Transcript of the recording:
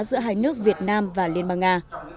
giữa hai nước việt nam và liên bang nga